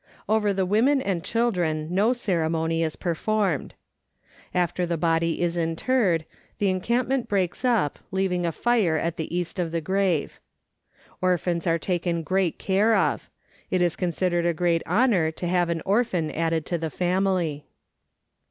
Over the women and children no ceremony is performed. After the body is interred, the encampment breaks up, leaving a fire at the east of the grave. Orphans are taken great care of. It is considered a great honour to have an orphan added to the family.